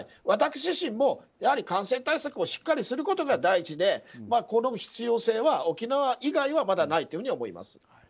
私自身も、やはり感染対策をしっかりすることが大事でこの必要性は、沖縄以外はまだないと思います。